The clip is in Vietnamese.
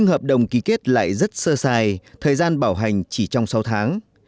hợp đồng ký kết lại rất sơ sài thời gian bảo hành chỉ trong sáu tháng